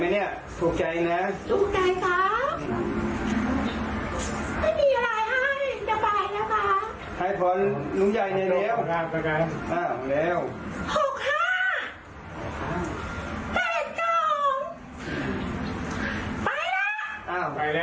ไปแล้วเหรอไปเลยอย่างไรก็ก็จะเด็บไปแล้วค่ะ